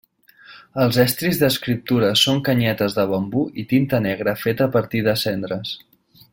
Els estris d'escriptura són canyetes de bambú i tinta negra feta a partir de cendres.